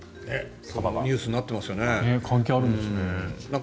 ニュースになってますよね。